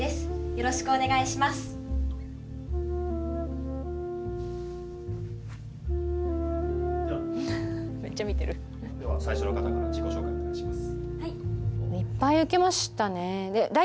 よろしくお願いしますでは最初の方から自己紹介をお願いします